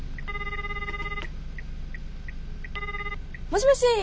もしもし。